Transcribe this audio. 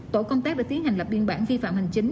tổ công tác đã tiến hành lập biên bản vi phạm hành chính